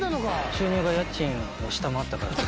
収入が家賃を下回ったから。